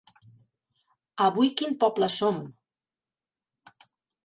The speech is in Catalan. Avui quin poble som?